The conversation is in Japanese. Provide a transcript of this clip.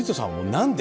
何で？